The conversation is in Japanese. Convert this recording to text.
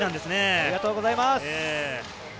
ありがとうございます。